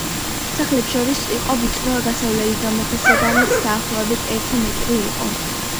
სახლებს შორის იყო ვიწრო გასასვლელები, რომელთა სიგანეც დაახლოებით ერთი მეტრი იყო.